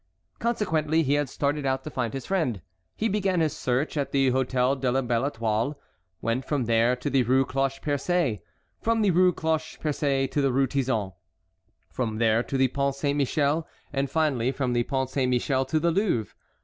Consequently he had started out to find his friend. He began his search at the Hôtel de la Belle Étoile, went from there to the Rue Cloche Percée, from the Rue Cloche Percée to the Rue Tizon, from there to the Pont Saint Michel, and finally from the Pont Saint Michel to the Louvre.